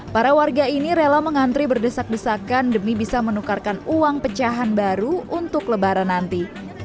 para warga ini rela mengantri berdesak desakan demi bisa menukarkan uang pecahan baru untuk lebaran nanti